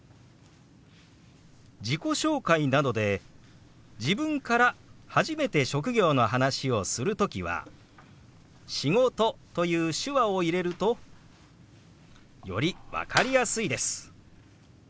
自己紹介などで自分から初めて職業の話をする時は「仕事」という手話を入れるとより分かりやすいです。